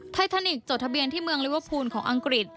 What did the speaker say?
ไททานิกจดทะเบียนที่เมืองลิเวอร์พูลของอังกฤษ